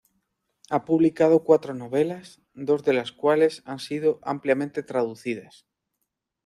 Ha publicado cuatro novelas, dos de las cuales han sido ampliamente traducidas.